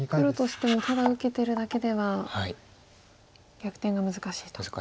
黒としてもただ受けてるだけでは逆転が難しいと。